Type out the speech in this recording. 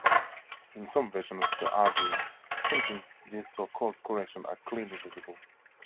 In some versions of the "Arduin" printings, these so-called "corrections" are clearly visible.